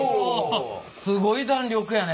すごい弾力やね。